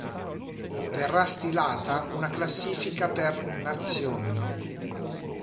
Verrà stilata una classifica per nazioni.